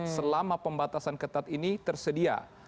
selama pembatasan ketat ini tersedia